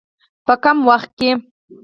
په کم وخت کې.